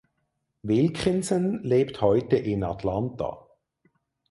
Wilkinson lebt heute in Atlanta.